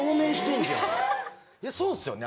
いやそうっすよね。